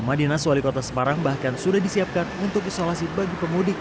rumah dinas wali kota semarang bahkan sudah disiapkan untuk isolasi bagi pemudik